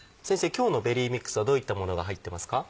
今日のベリーミックスはどういったものが入ってますか？